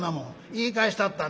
「言い返したった」。